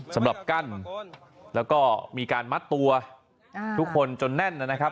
สำหรับกั้นแล้วก็มีการมัดตัวทุกคนจนแน่นนะครับ